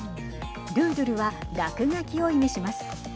ドゥードゥルは落書きを意味します。